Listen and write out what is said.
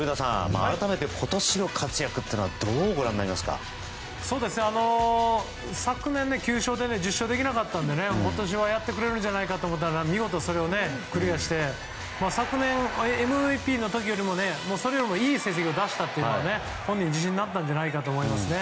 改めて今年の活躍というのは昨年、９勝で１０勝できなかったので今年はやってくれると思ったら見事それをクリアして昨年のＭＶＰの時よりもいい成績を出したというのは本人、自信があったんじゃないかと思います。